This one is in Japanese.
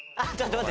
待って。